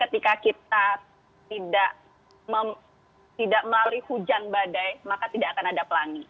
ketika kita tidak melalui hujan badai maka tidak akan ada pelangi